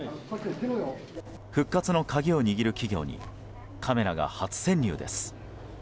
復活の鍵を握る企業にカメラが初潜入です。